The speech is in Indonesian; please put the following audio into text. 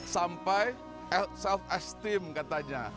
sampai self esteem katanya